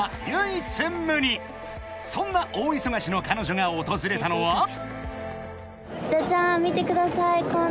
［そんな大忙しの彼女が訪れたのは］じゃじゃん！